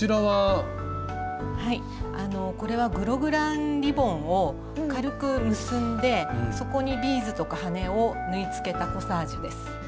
はいあのこれはグログランリボンを軽く結んでそこにビーズとか羽根を縫いつけたコサージュです。